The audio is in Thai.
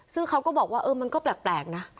ซึ่งเขาก็บอกว่าเออมันก็แปลกนะ